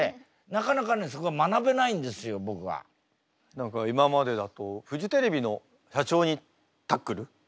何か今までだとフジテレビの社長にタックル？